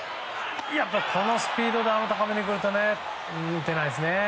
やっぱりこのスピードでくると打てないですね。